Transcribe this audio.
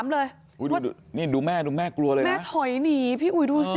มาถอยหนี